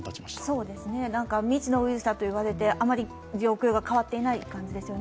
未知のウイルスだと言われて、あまり状況が変わっていない感じですよね。